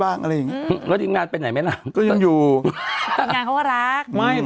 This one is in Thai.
บ้างอะไรอย่างงี้หมดงานไปไหนไหมนางก็ยังอยู่ยังเขาก็รักไม่